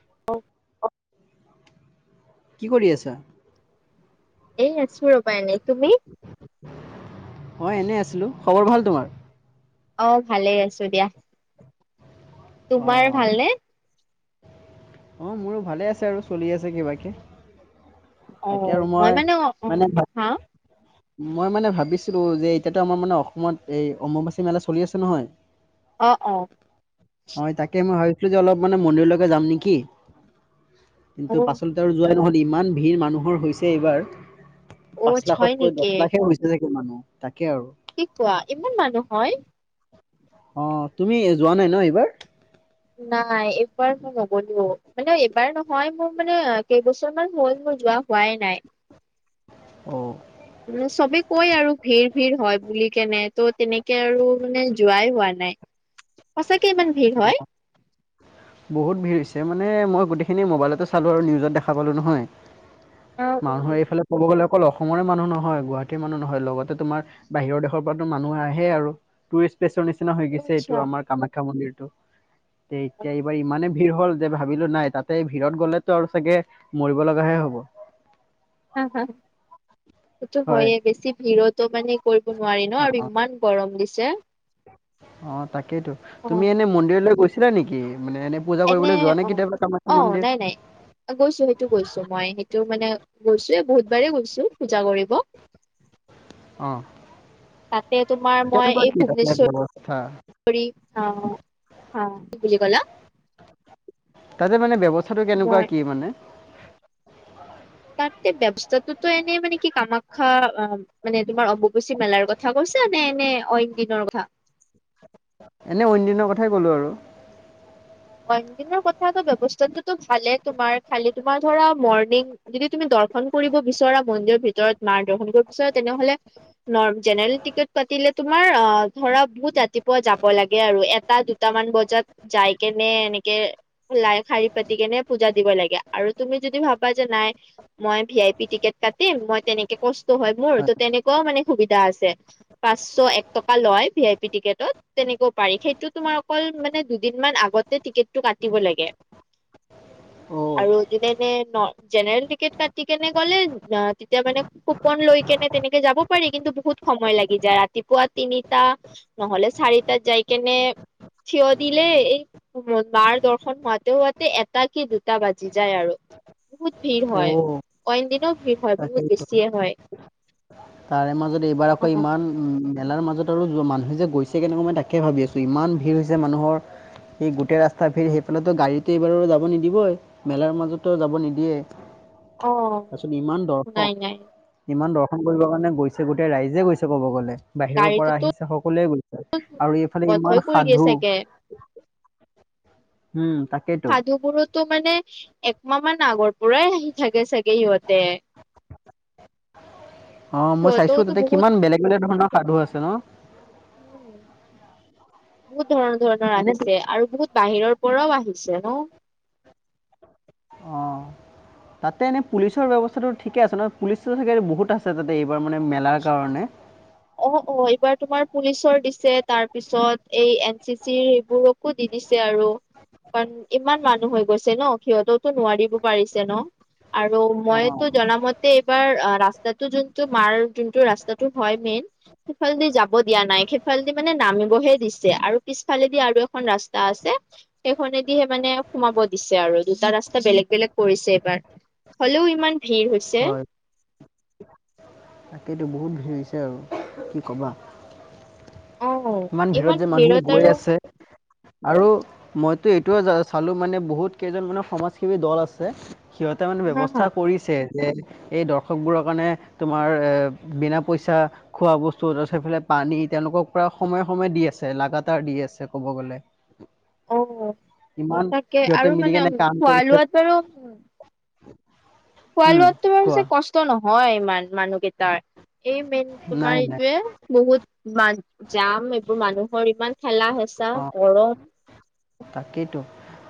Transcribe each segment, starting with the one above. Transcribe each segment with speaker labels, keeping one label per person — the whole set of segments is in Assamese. Speaker 1: [unintelligible]
Speaker 2: কি কৰি আছা
Speaker 1: এই আছো ৰবা এনেই তুমি
Speaker 2: মই এনেই আছিলোঁ খবৰ ভাল তোমাৰ
Speaker 1: অ ভালেই আছো দিয়া
Speaker 2: অ
Speaker 1: তোমাৰ ভাল নে
Speaker 2: অ মোৰো ভালে আছে আৰু চলি আছে কিবাকে
Speaker 1: অ
Speaker 2: তাকে আৰু
Speaker 1: মই মানে অ
Speaker 2: মানে ভা-
Speaker 1: হা
Speaker 2: মই মানে ভাবিছিলো যে এতিয়াতো আমাৰ মানে অসমত এই অম্ববাচী মেলা চলি আছে নহয়
Speaker 1: অ অ
Speaker 2: হয় তাকে মই ভাবিছিলো যে অলপ মানে মন্দিৰলৈকে যাম নেকি
Speaker 1: অ
Speaker 2: কিন্তু পাচলতে আৰু যোৱাই নহল ইমান ভিৰ মানুহৰ হৈছে এইবাৰ
Speaker 1: অ
Speaker 2: পাঁচ
Speaker 1: হয়
Speaker 2: লাখতকৈ দহ
Speaker 1: নেকি
Speaker 2: লাখে হৈছে চাগে মানুহ তাক
Speaker 1: কি কোৱা ইমান মানুহ হয়
Speaker 2: অ, তুমি যোৱা নাই ন' এইবাৰ?
Speaker 1: নাই এইবাৰ মই নগলোও মানে এইবাৰ নহয় মোৰ মানে কেইবছৰ মান হ'ল মোৰ যোৱা হোৱায়ে নাই।
Speaker 2: অ।
Speaker 1: মানে চবে কয় আৰু ভিৰ-ভিৰ হয় বুলি কেনে ত' তেনেকে আৰু মানে যোৱাই হোৱা নাই, সঁচাইক
Speaker 2: অ, বহুত ভিৰ হৈছে মানে মই গোটেই খিনি মোবাইলতো চালো আৰু নিউজত দেখা পালো নহয়,
Speaker 1: অ
Speaker 2: মানুহৰ
Speaker 1: উম
Speaker 2: এইফালে কব গলে অকল অসমৰে মানুহ নহয়, গুৱাহাটীৰ মানুহ নহয় লগতে তোমাৰ বাহিৰৰ দেশৰ পৰাতো মানুহ আহেই আৰু টুৰিষ্ট প্লেছৰ নিচিনা হৈ
Speaker 1: অ
Speaker 2: গৈছে
Speaker 1: আচ্ছা
Speaker 2: এইটো আমাৰ কামাখ্যা মন্দিৰটো। তে এতিয়া এইবাৰ ইমানে ভিৰ হ'ল যে ভাবিলো নাই তাতে ভিৰত গ'লেতো আৰু চাগে মৰিব লগাহে হ'ব।
Speaker 1: হা হা। সেইটো
Speaker 2: হয়
Speaker 1: হয়য়ে বেছি ভিৰতো মানে কৰিব নোৱাৰি ন' আৰু
Speaker 2: অ
Speaker 1: ইমান গৰম দিছে।
Speaker 2: অ তাকেইতো।
Speaker 1: অ
Speaker 2: তুমি এনে মন্দিৰলৈ গৈছিলা নেকি? মানে পূজা
Speaker 1: এনে
Speaker 2: কৰিবলৈ যোৱা নে
Speaker 1: অ,
Speaker 2: কেতিয়াবা কামাখ্যা
Speaker 1: অ
Speaker 2: মন্দিৰ
Speaker 1: নাই নাই। গৈছো সেইটো গৈছো মই, সেইটো মানে গৈছোয়ে বহুত বাৰে গৈছো পূজা কৰি
Speaker 2: অ।
Speaker 1: তে তোমাৰ মই
Speaker 2: কেনেকুৱা
Speaker 1: এই
Speaker 2: কি তাতে
Speaker 1: ভুৱনেশ্ব
Speaker 2: ব্যৱস্থা
Speaker 1: ৰী, অ অ কি বুলি ক'লা?
Speaker 2: তাতে মানে ব্যৱস্থাটো কেনেকুৱা
Speaker 1: মই
Speaker 2: কি মানে?
Speaker 1: [unintelligible] ত' এনেই মানে কি কামাখ্যা অ মানে তোমাৰ অম্বুবাচী মেলাৰ কথা কৈছা নে নে অইন দিনৰ কথা?
Speaker 2: এনে অইন দিনৰ কথাই ক'লোঁ আৰু।
Speaker 1: অইন দিনৰ কথাটো ব্যৱস্থাটো টো ভালে তোমাৰ খালি তোমাৰ ধৰা মৰ্ণিং যদি তুমি দৰ্শন কৰিব বিচৰা মন্দিৰ ভিত ৰত মাৰ দৰ্শন কৰিব বিচৰা, তেনেহ'লে ন জেনেৰেল টিকট কাটিলে তোমাৰ অ' ধৰা বহুত ৰাতি পুৱা যাব লাগে আৰু এটা দুটামান বজাত যাই। কেনে এনেকে লাই শাৰী পাতি কেনে পূজা দিব লাগে। আৰু তুমি যদি ভাবা যে নাই মই ভি আই পি টিকেট কাটিম, মই তেনেকে কষ্ট হয় মোৰ ত তেনেকুৱও মানে সুবিধা আছে। পাঁচশ এক টকা লয় ভি আই পি টিকেটত, তেনেকও পাৰি সেইটো তোমাৰ অকল মানে দুদিন মান আগতে টিকেটটো কাটিব লাগে।
Speaker 2: [unintelligible]
Speaker 1: আৰু যোনে-যোনে জেনেৰেল টিকেট কাটি কেনে গ'লে, তেতিয়া মানে কুপন লৈ কেনে তেনেকে যাব পাৰি কিন্তু বহুত সময় লাগি যায়। ৰাতিপুৱা তিনিটা নহ'লে চাৰিটাাত যাই কেনে কেনে থিয় দিলে এই মাৰ দৰ্শন হোৱাতে হোৱাতে, এটা কি দুটা বাজি যায় আৰু। বহুত ভিৰ হয়।
Speaker 2: অ'
Speaker 1: অইন দিনাও ভিৰ হয়, বহুত
Speaker 2: তাকেইতো
Speaker 1: বেছিয়ে হয়।
Speaker 2: তাৰে মাজত এইবাৰ
Speaker 1: অ
Speaker 2: আকৌ ইমান উম, মেলাৰ মাজত [unintelligible] মানুহে যে গৈছে কেনেকুৱা মই তাকে ভাবি আছোঁ, ইমান ভিৰ হৈছে মানুহৰ। সেই গোটেই ৰাস্তা ভিৰ। সেইফালেতো গাড়ীটো এইবাৰো যাব নিদিবই, মেলাৰ মাজতো যাব নিদিয়ে।
Speaker 1: অ
Speaker 2: তাৰপিছত ইমান দৰ্শক।
Speaker 1: নাই নাই
Speaker 2: ইমান দৰ্শন কৰিবৰ কাৰণে গৈছে, গোটেই ৰাইজে গৈছে ক'ব গ'লে। বাহিৰৰ পৰা
Speaker 1: গাড়ীটোতো
Speaker 2: আহিছে, সকলোৱে গৈছে। আৰু এইফালে
Speaker 1: বন্ধই
Speaker 2: ইমান
Speaker 1: কৰি দিয়ে
Speaker 2: সাধু
Speaker 1: চাগে
Speaker 2: উম তাকেইতো
Speaker 1: সাধুবোৰটো মানে একমাহ মান আগৰ পৰাই আহি থাকে চাগে সিহঁতে
Speaker 2: অ', মই চাইছো
Speaker 1: সিহঁতেওতো
Speaker 2: তাতে
Speaker 1: বহুত
Speaker 2: কিমান বেলেগ বেলেগ ধৰণৰ সাধু আছে ন?
Speaker 1: উম, বহুত ধৰণৰ, ধৰণৰ
Speaker 2: এনেতো
Speaker 1: আহিছে আৰু বহুত বাহিৰৰ পৰাও আহিছে ছে ন?
Speaker 2: অ'। তাতে এনেই পুলিচৰ ব্যৱস্থাটো ঠিকে আছে নহয়, পুলিচ চাগে বহুত আছে তাতে এইবাৰ মানে মেলাৰ কাৰণে। নে।
Speaker 1: অ', অ', এইবাৰ তোমাৰ পুলিচৰ দিছে, তাৰ পিছত এই এন চি চিৰ এইবোৰকো দি দিছে আৰু, কাৰণ ইমান মানুহ হৈ গৈছে ন সিহঁতওতো নোৱাৰিব পাৰিছে ন? আৰু মইতো
Speaker 2: অ',
Speaker 1: জনা মতে এইবাৰ ৰাস্তাটো যোনটো মাৰ যোনটো ৰাস্তাটো হয় মেইন সেইফালেদি যাব দিয়া নাই। সেইফালেদি মানে নামিবহে দিছে। আৰু পিছফালেদি আৰু এখন ৰাস্তা আছে। সেইখনেদিহে মানে সোমাব দিছে আৰু দুটা ৰাস্তা বেলেগ বেলেগ কৰিছে এইবাৰ। হ'লেও ইমান ভিৰ হৈছে।
Speaker 2: হয় তাকেইতো, বহুত ভিৰ হৈছে আৰু কি ক'বা
Speaker 1: অ
Speaker 2: ইমান
Speaker 1: ইমান
Speaker 2: ভিৰত যে মানুহো গৈ
Speaker 1: আৰু
Speaker 2: আছে আৰু মইতো এইটোও চালোঁ, মানে বহুত কেইজন মানে, সমাজসেৱী দল আছে সিহঁতে মানে,
Speaker 1: হা হা
Speaker 2: ব্যৱস্থা কৰিছে যে এই দৰ্শকবোৰৰ কাৰণে, তোমাৰ এ, বিনা পইচা খোৱা বস্তু [unintelligible] পানী, তেওঁলোকক পুৰা সময়ে-সময়ে দি আছে, লাগাতাৰ দি আছে ক'ব গ'লে
Speaker 1: অ',
Speaker 2: ইমান
Speaker 1: তাকে
Speaker 2: সিহঁতে
Speaker 1: আৰু
Speaker 2: মিলি
Speaker 1: মানে,
Speaker 2: কেনে কাম কৰিছে
Speaker 1: খোৱা-লোৱাটোৰো
Speaker 2: উম,
Speaker 1: খোৱা-লোৱাটোৰো
Speaker 2: কোৱা
Speaker 1: চাগে কষ্ট নহয় ইমান মানুহকেইটাৰ এই মেইন,
Speaker 2: নাই
Speaker 1: তোমাৰ
Speaker 2: নাই
Speaker 1: এইটোৱেই, বহুত, ইমান জাম, এইবোৰ মানুহৰ ইমান ঠেলা হেঁচা,
Speaker 2: অ'।
Speaker 1: গৰম
Speaker 2: তাকেইতো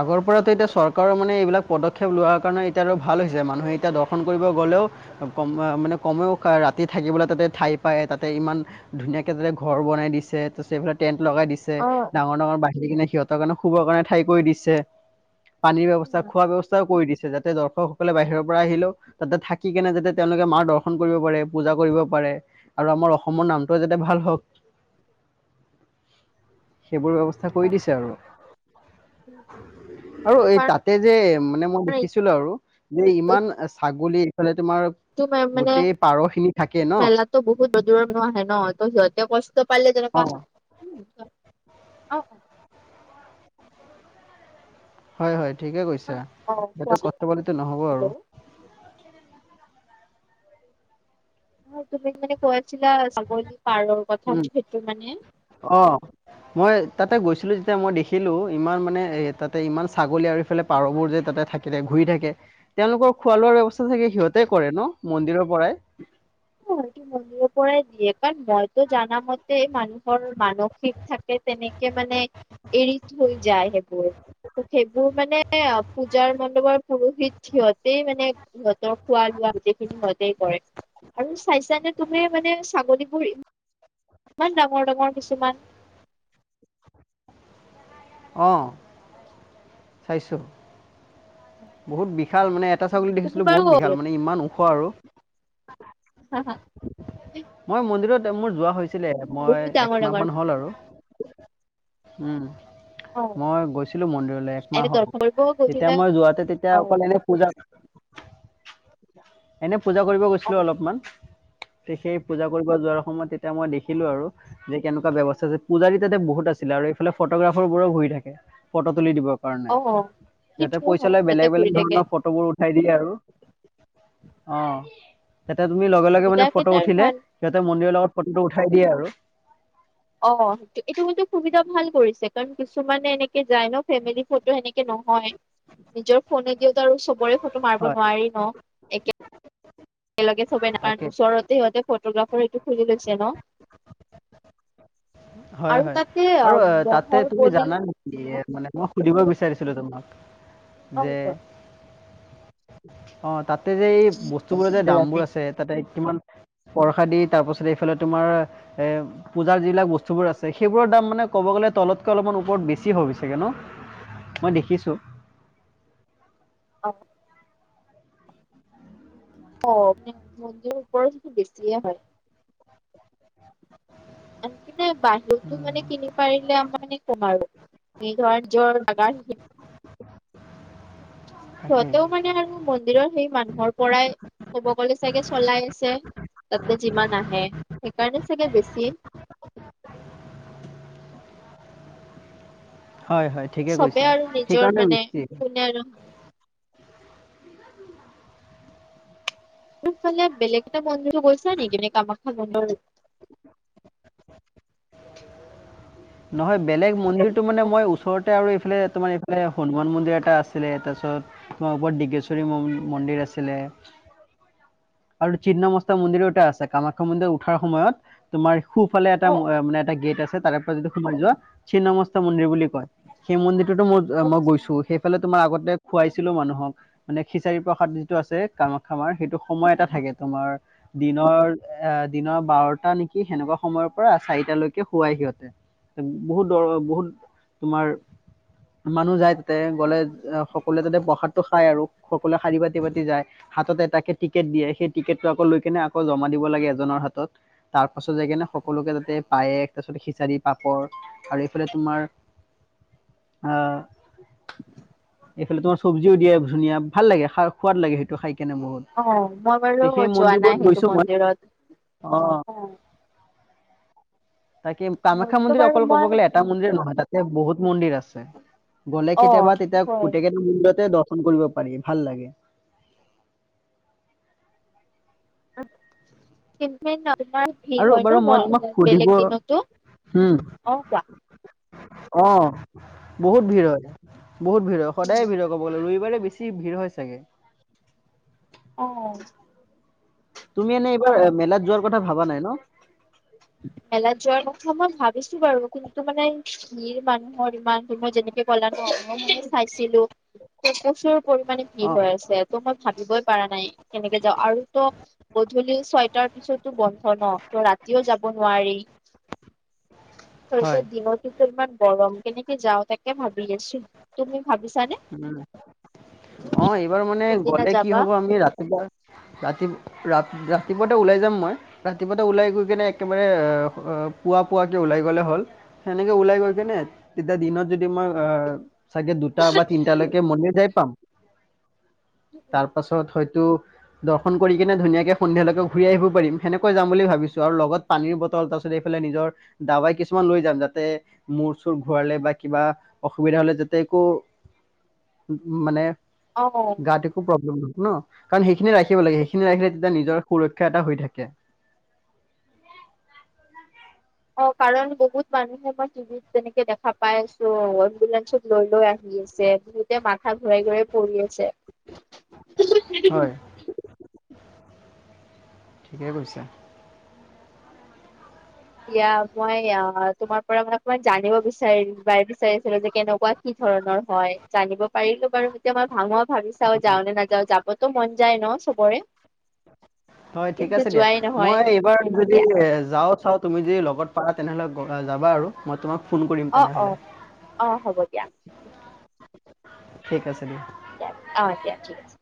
Speaker 2: আগৰ পৰাতো এতিয়া চৰকাৰৰ মানে, এইবিলাক পদক্ষেপ লোৱাৰ কাৰণে এতিয়া আৰু ভাল হৈছে, মানুহে এতিয়া দৰ্শন কৰিব গ'লেও কম মানে, কমেও কাৰ ৰা ৰাতি থাকিবলৈ তাতে ঠাই পায়। তাতে ইমান ধুনীয়াকে যে ঘৰ বনাই দিছে, তাৰপিছত এইফালে টেণ্ট লগাই দিছে। ডাঙৰ-ডাঙৰ বাহিৰ কিনে, সিহঁতৰ কাৰণে শুবৰ কাৰণে ঠাই কৰি দিছে। পানীৰ ব্যৱস্থা, খোৱা ব্যৱস্থাও কৰি দিছে। যাতে দৰ্শকসকলে বাহিৰৰ পৰা আহিলেও তাতে থাকি কিনে যাতে, তেওঁলোকে মাৰ দৰ্শন কৰিব পাৰে পূজা কৰিব পাৰে আৰু আমাৰ অসমৰ নামটোও যাতে ভাল হওক সেইবোৰৰ ব্যৱস্থা কৰি দিছে আৰু
Speaker 1: উম, উম।
Speaker 2: আৰু এই তাতে যে মানে, মই
Speaker 1: কাৰণ এইটো
Speaker 2: দেখিছিলোঁ আৰু যে ইমান চাগ গলি, এইফালে তোমাৰ গোটেই পাৰ খিনি থাকে ন
Speaker 1: মেলাততো বহুত দূৰৰ-দূৰৰ মানুহ আহে ন? ত', সিহঁতে কষ্ট পালে
Speaker 2: অ
Speaker 1: তেনেকুৱা, অ'।
Speaker 2: হয়, হয় ঠিকে কৈছা।
Speaker 1: কোৱা
Speaker 2: সিহঁতে কষ্ট পালো নহ'ব আৰু
Speaker 1: অ তুমি মানে কৈছিলা [unintelligible] পাৰৰ কথা
Speaker 2: উম
Speaker 1: সেইটো কাৰণে।
Speaker 2: অ মই তাতে গৈছিলো যেতিয়া মই দেখিলো। ইমান মানে এ তাতে ইমান ছাগলী আৰু এইফালে পাৰবোৰ যে তাতে থাকিলে। ঘূৰি থাকে তেওঁলোকৰ খোৱা
Speaker 1: অ
Speaker 2: লোৱাৰ ব্যৱস্থা চাগে সিহঁতে কৰে ন, মন্দিৰৰ পৰাই? [unintelligible]
Speaker 1: মন্দিৰ পৰাই দিয়ে কাৰণ মইতো জানা মতে, মানুহৰ মানসিক থাকে তেনেকে মান মানে এৰি থৈ যায়, সেইবোৰ সেইবোৰ মানে অ, পূজাৰ মণ্ডপৰ পুৰোহিত সিহতেই মানে সিহঁতৰ খোৱা ল গোটেই খিনি সিহতেই কৰে। আৰু চাইছা নে তুমি মানে ছাগলীবোৰ ইমান ডাঙৰ ডাঙৰ কিছুমান।
Speaker 2: অঁ, চাইছোঁ। বহুত বিশাল মানে এটা ছাগলী
Speaker 1: তুমি
Speaker 2: দেখিছিলো
Speaker 1: বাৰু
Speaker 2: বহুত বিশাল। মানে ইমান ওখ আৰু।
Speaker 1: হা হা
Speaker 2: মই মন্দিৰত মোৰ যোৱা হৈ। আছিলে মই
Speaker 1: বহুত ডাঙৰ
Speaker 2: একমাহ
Speaker 1: ডাঙৰ
Speaker 2: মান হ'ল আৰু। উম,
Speaker 1: অ
Speaker 2: মই গৈছিলো মন্দিৰলৈ। এক মাহ
Speaker 1: এনে
Speaker 2: হ'ল
Speaker 1: দৰ্শন কৰিব
Speaker 2: তেতিয়া
Speaker 1: গৈছিলা
Speaker 2: মই যোৱাতে এতিয়া
Speaker 1: অ
Speaker 2: অকল এনে পূজা, এনে পূজা কৰিব
Speaker 1: অ
Speaker 2: গৈছিলো অলপমান। সেই পূজা কৰিব যোৱাৰ সময়ত তেতিয়া মই দেখিলো আৰু। যে কেনেকুৱা ব্যৱস্থা আছে পূজাৰ তাতে বহুত আছে। আছিল আৰু এইফালে ফটোগ্ৰাফাৰ বোৰো ঘূৰি থাকে ফটো তুলি দিবলৈ।
Speaker 1: অ, [unintelligible]
Speaker 2: বেলেগ বেলেগ
Speaker 1: ঘূৰি থাকে
Speaker 2: ধৰণৰ ফটোবোৰ উঠাই দিয়ে আৰু। অ। তাতে তুমি লগে-লগে
Speaker 1: সুবিধা
Speaker 2: মানে ফটো
Speaker 1: কেইটাৰ
Speaker 2: উঠিলে
Speaker 1: ভাল
Speaker 2: সিহঁতে মন্দিৰৰ লগত ফটোটো উঠাই দিয়ে আৰু।
Speaker 1: অ, সেইটো এইটো হয় কিন্তু সুবিধা ভাল কৰিছে। কাৰণ কিছুমানে এনেকে যায় ন ফেমিলি ফটো সেনেকে ন নহয়। নিজৰ ফোনেদিতো আৰু চবৰে ফটো মাৰিব
Speaker 2: হয়
Speaker 1: নোৱাৰি ন। একে একলগে
Speaker 2: তাকে
Speaker 1: ন ওচৰতে সিহঁতে ফোগ্ৰাফাৰটো। খুলি লৈছে ন।
Speaker 2: হয়-
Speaker 1: আৰু
Speaker 2: হয়
Speaker 1: তাতে
Speaker 2: আৰু তাতে
Speaker 1: মহৰ
Speaker 2: তুমি
Speaker 1: বলি
Speaker 2: জানা নেকি?
Speaker 1: অ
Speaker 2: মানে সুধিব বিচাৰিছিলোঁ তোমাক যে।
Speaker 1: কোৱা
Speaker 2: অ, তাত তাতে যে এই বস্তুবোৰৰ যে দামবোৰ আছে তাতে কিমান? পৰসা দি তাৰ পাছত এইফালে তোমাৰ এ পূজাৰ যিবিলাক বস্তু। চববোৰ আছে সেইবোৰৰ দাম মানে ক'ব গ'লে তলতকৈ অলপমান ওপৰত বেছি হ'ছেগৈ ন'। মই দেখিছোঁ।
Speaker 1: অ। অ, মানে মন্দিৰ ওপৰত বেছিয়ে হয়।
Speaker 2: [inaudible]
Speaker 1: আনকি নাই বাহিৰতো
Speaker 2: উম,
Speaker 1: মানে কিনি পাৰিলে আমাৰ মানে কম আৰু। ম ধ জৰ লাগ [inaudible]
Speaker 2: [unintelligible] তাকেই
Speaker 1: সিহঁতেও মানে আৰু মন্দিৰৰ সেই মানুহৰ পৰাই ক'ব গ'লে চাগে চলাই আছে তাতে। যিমান আহে সেইকাৰণে চাগে বেছি।
Speaker 2: [inaudible] হয় হয় ঠিকে
Speaker 1: চবে
Speaker 2: কৈছা
Speaker 1: আৰু নিজৰ
Speaker 2: সেইকাৰণে
Speaker 1: মানে
Speaker 2: বেছি
Speaker 1: কোনে আৰু ত ফালে বেলেগ এটা মন্দিৰৰো গৈছা নেকি নে কামাখ্যা বন্ধুৰ
Speaker 2: [inaudible] নহয় বেলেগ মন্দিৰটো মানে মই ওচৰতে আৰু ইফালে তোমাৰ এইফালে হনুমান মন্দিৰ, এটা আছিলে তাৰপিছত তোমাৰ ওপৰত ডিগেশ্বৰী মন্দিৰ আছে। ছিলে। আৰু চিন্নমস্তা মন্দিৰো এটা আছে। কামাখ্যা মন্দিৰ উঠাৰ সময়ত তোমাৰ সোফালে এটা মানে এটা গেট আছে তাৰে পৰা যদি সোমাই যোৱা চিন্নমস্ত মন্দিৰ বুলি কয়। সেই মন্দিৰ ম মই গৈছো। সেইফালে তোমাৰ আগত খুৱাইছিলো মানুহক, মানে খিচাৰি, প্ৰসাদ যিটো আছে কামাখ্যা আমাৰ সেইটো সময় এটা থাকে তোমাৰ। দিনৰ এ দিনৰ বাৰটা নেকি, সেনেকুৱা সময়ৰ পৰা চাৰিটালৈকে খোৱাই সিহঁতে। বহুত দৰ, বহুত তোমাৰ মানুহ যায়। তে গ'লে সকলোৱে তাতে প্ৰসাদটো খাই আৰু। সকলোৱে শাৰি পাতি পাতি যায়, হাতত এটাক টিকেট দিয়ে সেই টিকেটটো আকৌ লৈ কেনে আকৌ জমা দিব লাগে এজনৰ। হাতত, তাৰ পাছত যাই কিনে সকলোকে তাতে পায়েক তাৰপিছত খিচাৰি। পাপৰ আৰু এইফালে তোমাৰ এইফালে তোমাৰ চব্জিও দিয়ে ধুনীয়া ভাল লাগে সোৱাদ লাগে সেইটো খাই। কেনে বহুত
Speaker 1: অ মই বাৰু
Speaker 2: তে' সেই
Speaker 1: যোৱা নাই
Speaker 2: মন্দিৰবোৰত
Speaker 1: সেইটো
Speaker 2: গৈছো মই।
Speaker 1: মন্দিৰত
Speaker 2: অ'। তাকে কামাখ্যা
Speaker 1: মোৰতো
Speaker 2: মন্দিৰ
Speaker 1: বাৰু
Speaker 2: অকল কব
Speaker 1: মই
Speaker 2: গ'লে এটা মন্দিৰ নহয়, তাতে বহুত মন্দিৰ আছে। গ'লে
Speaker 1: অ
Speaker 2: কেতিয়াবা, তেতিয়া
Speaker 1: হয়
Speaker 2: গোটেই কেইটা [unintelligible] দৰ্শন কৰিব পাৰি, ভাল লাগে।
Speaker 1: কেন্ত [unintelligible] তোমাৰ ভিৰ
Speaker 2: আৰু
Speaker 1: হয়
Speaker 2: বাৰু মই তোমাক
Speaker 1: ন,
Speaker 2: সুধিব
Speaker 1: বেলেগ দিনতো
Speaker 2: উম
Speaker 1: অ কোৱা,
Speaker 2: অ বহুত ভিৰ হয়, বহুত ভিৰ হয়, সদায়ে ভিৰ ক'বলৈ ৰবিবাৰে বেছি ভিৰ হৈ চাগে।
Speaker 1: অহ।
Speaker 2: তুমি এনেই এইবাৰ মেলাত যোৱাৰ কথা ভাবা নাই ন।
Speaker 1: মেলাত যোৱাৰ কথা মই ভাবিছো বাৰু, কিন্তু মানে ভিৰ মানুহ, মোৰ ইমান মই যেনেকে ক'লা ন মোৰ চাইছিলো। প্ৰচুৰ পৰিমামানে
Speaker 2: অ
Speaker 1: ভিৰ হৈ আছে ত' মই ভাবিবই পাৰা নাই কেনেকে যাওঁ আৰু ত, গধূলি ছয়টাৰ পিছতো বন্ধ ন। ত ৰাতিও যাব নোৱাৰি,
Speaker 2: হয়
Speaker 1: তাৰপাছত দিনততো ইমান গৰম। কেনেকে যাও তাকে ভাবি আছো। তুমি ভাবিছানে
Speaker 2: উম, অ এইবাৰ মানে
Speaker 1: কোনদিনা
Speaker 2: গ'লে কি
Speaker 1: যাবা
Speaker 2: হব আমি ৰাতিপুৱা ৰাতি, ৰা ৰাতিপুৱাতে ওলাই যাম মই ৰাতিপুৱাতে ওলাই গৈ কেনে, একেবাৰে পুৱা পুৱাকে ওলাই গলে হল, হেনেকে ওলাই গৈ কিনে তেতিয়া দিনত যদি অঁ মই চাগে দুটা বা, তাৰপাছত হয়তো। দৰ্শন কৰি কিনে ধুনাকে সন্ধিয়ালৈকে ঘূৰি আহিব পাৰি সেনেকৈ যাম বুলি ভাবিছো আৰু লগত পানীৰ বটল তাৰ পাছত এইফালে, নিজৰ দাৱাই কিছুমান লৈ যাম যাতে, মূৰ চুৰ ঘূৰালে বা কিবা অসুবিধা হলে যাতে একো উ মানে
Speaker 1: অ
Speaker 2: গাটো একো প্ৰব্লেম নহয়। ন কাৰণ সেইখিনি ৰাখিব লাগে, সেইখিনি ৰাখিলে তেতিয়া নিজৰ সুৰক্ষা এটা হৈ থাকে। [inaudible]
Speaker 1: অ কাৰণ বহুত মানুহে মই টিভিত যেনেকে দেখা পাই আছো। এম্বুলেঞ্চত লৈ লৈ আহিল। বিহতে মাথা ঘূৰাই ঘূৰাই পৰি আছে।
Speaker 2: হয় ঠিকে কৈছা।
Speaker 1: এতিয়া মই অ তোমাৰ পৰা মানে অকমান জানিব বিচাৰিম বাৰ বিচাৰিছিলো যে কেনেকুৱা কি ধৰণৰ হয় জানিব পাৰিলো বাৰু এতিয়া মই ভাঙোৱা, ভাবিছাও চাও
Speaker 2: অ
Speaker 1: যাও নে নেযাও যাবতো মন যায় ন চবৰে।
Speaker 2: হয় ঠিক
Speaker 1: কিন্তু
Speaker 2: আছে দিয়া
Speaker 1: যোৱাই নহয়
Speaker 2: মই এইবাৰ
Speaker 1: উম
Speaker 2: যদি
Speaker 1: দিয়া
Speaker 2: এ যাও, চাওঁ তুমি যদি লগত পাৰা তেনেহলে যাবা আৰু মই তোমাক ফোন কৰিম
Speaker 1: অ অ
Speaker 2: তেনেহলে।
Speaker 1: অ হ'ব দিয়া।
Speaker 2: ঠিক আছে দিয়া।
Speaker 1: দিয় অ দিয়া ঠিক আছে।